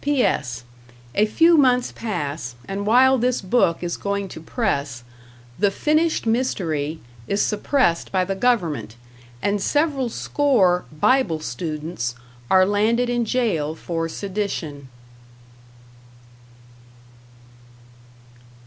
P.S. A few months pass, and while this book is going to press, "The Finished Mystery" is suppressed by the government and several score "Bible Students" are landed in jail for sedition.